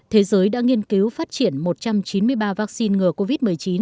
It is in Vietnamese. thế giới đã nghiên cứu phát triển một trăm chín mươi ba vaccine ngừa covid một mươi chín